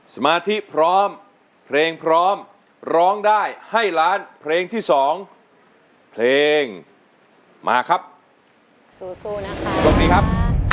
สมาธิพร้อมเพลงพร้อมร้องได้ให้หลานเพลงที่สองเพลงมาครับ